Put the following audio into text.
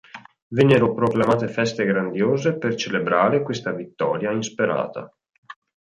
Vennero proclamate feste grandiose per celebrare questa vittoria insperata.